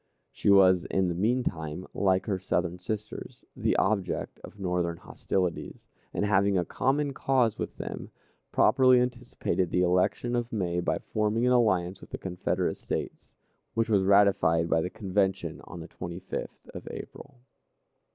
She was in the mean time, like her Southern sisters, the object of Northern hostilities, and, having a common cause with them, properly anticipated the election of May by forming an alliance with the Confederate States, which was ratified by the Convention on the 25th of April.